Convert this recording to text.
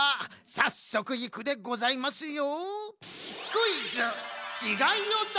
さっそくいくでございますよ。